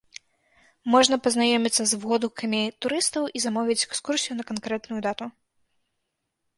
Можна пазнаёміцца з водгукамі турыстаў і замовіць экскурсію на канкрэтную дату.